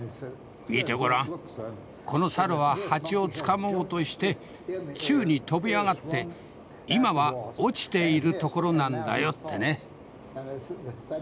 「見てごらんこの猿は蜂をつかもうとして宙に飛び上がって今は落ちているところなんだよ」ってね。